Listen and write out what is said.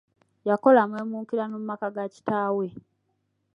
Yakola amaweemukirano mu maka ga kitaawe.